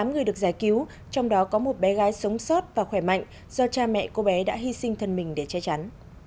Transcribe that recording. tám người được giải cứu trong đó có một bé gái sống sót và khỏe mạnh do cha mẹ cô bé đã hy sinh thân mình để che chắn